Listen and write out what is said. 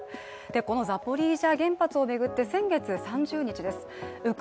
このザポリージャ原発を巡って、先月３０日です。